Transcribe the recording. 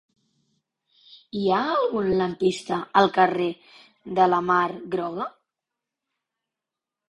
Hi ha algun lampista al carrer de la Mar Groga?